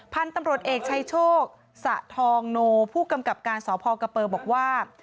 พันธุ์ตำรวจเอกชัยโชคสะทองโนผู้กำกับการสพกเปอร์บอกว่า